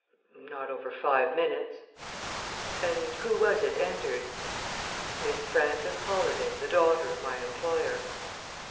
"Not over five minutes." "And who was it entered?" "Miss Frances Holladay the daughter of my employer."